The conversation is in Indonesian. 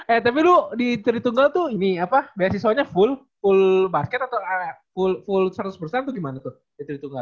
eh tapi lo di tri tunggal tuh ini apa beasisonya full basket atau full seratus atau gimana tuh di tri tunggal